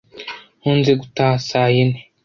Nkunze gutaha saa yine.